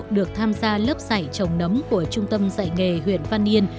được tham gia lớp giải trồng nấm của trung tâm giải nghề huyện văn yên